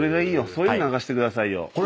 そういうの流してくださいよ。